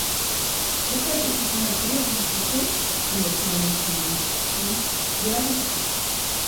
Deshalb ist die finanzielle Unterstützung stimme ich meinen Kollegen zu sehr wichtig.